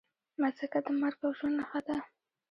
مځکه د مرګ او ژوند نښه ده.